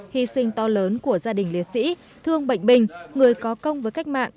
hy sinh to lớn của gia đình liệt sĩ thương bệnh bình người có công với cách mạng